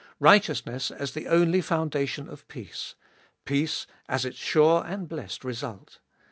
Righteousness as the only foundation of peace : peace as its sure and blessed result.